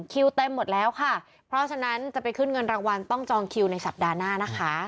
เต็มหมดแล้วค่ะเพราะฉะนั้นจะไปขึ้นเงินรางวัลต้องจองคิวในสัปดาห์หน้านะคะ